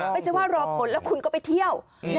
ไม่ใช่ว่ารอผลแล้วคุณก็ไปเที่ยว